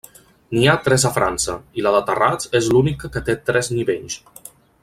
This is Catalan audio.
N'hi ha tres a França, i la de Terrats és l'única que té tres nivells.